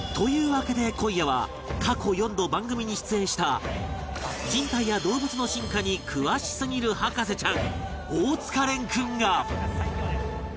わけで今夜は過去４度番組に出演した人体や動物の進化に詳しすぎる博士ちゃん大塚蓮君が